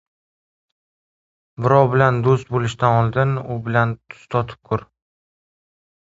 • Birov bilan do‘st bo‘lishdan oldin u bilan tuz totib ko‘r.